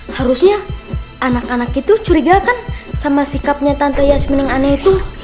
harusnya anak anak itu curiga kan sama sikapnya tante yasmin yang aneh itu